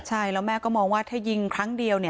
ใช่แล้วแม่ก็มองว่าถ้ายิงครั้งเดียว